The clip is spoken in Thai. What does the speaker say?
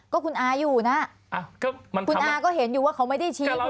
ก็ครูนาอยู่นะครูนาก็เห็นอยู่ว่าเขาไม่ได้ชี้คุณฟัสมัน